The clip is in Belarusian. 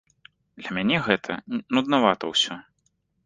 Для мяне гэта нуднавата ўсё.